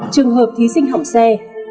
trường hợp thí sinh hỏng xe